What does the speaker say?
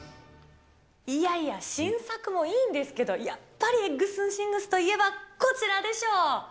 いやいや、新作もいいんですけど、やっぱりエッグスンシングスといえばこちらでしょ。